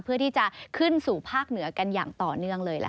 เพื่อที่จะขึ้นสู่ภาคเหนือกันอย่างต่อเนื่องเลยล่ะค่ะ